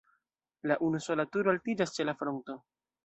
La unusola turo altiĝas ĉe la fronto.